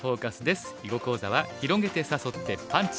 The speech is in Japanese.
囲碁講座は「広げて誘ってパンチ！」。